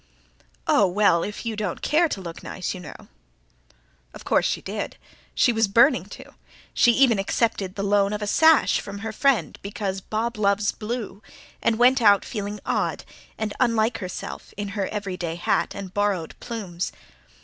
"Oh well, if you don't care to look nice, you know ..." Of course she did; she was burning to. She even accepted the loan of a sash from her friend, because "Bob loves blue"; and went out feeling odd and unlike herself, in her everyday hat and borrowed plumes.